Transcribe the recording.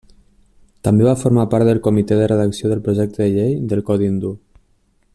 També va formar part del Comitè de Redacció del Projecte de Llei del Codi Hindú.